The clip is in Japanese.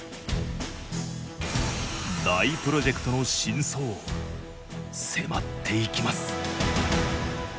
大プロジェクトの真相迫っていきます